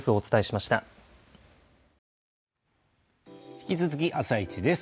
引き続き「あさイチ」です。